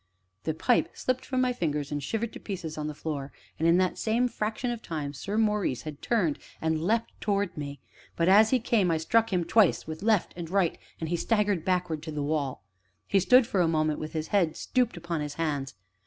The pipe slipped from my fingers and shivered to pieces on the floor, and in that same fraction of time Sir Maurice had turned and leapt towards me; but as he came I struck him twice, with left and right, and he staggered backwards to the wall. He stood for a moment, with his head stooped upon his hands.